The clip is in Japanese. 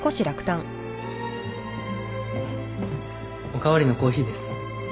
・お代わりのコーヒーです。